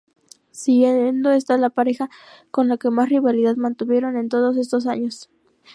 Siendo está la pareja con la que más rivalidad mantuvieron en todos estos años.